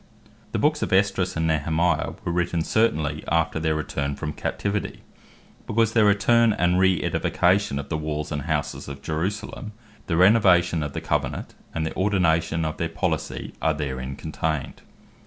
Ezra And Nehemiah The Books of Esdras and Nehemiah were written certainly after their return from captivity; because their return, the re edification of the walls and houses of Jerusalem, the renovation of the Covenant, and ordination of their policy are therein contained.